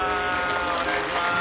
お願いします。